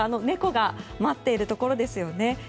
猫が待っているところですよね。